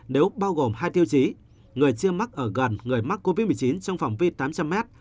nếu bao gồm hai tiêu chí người chưa mắc ở gần người mắc covid một mươi chín trong phạm vi tám trăm linh m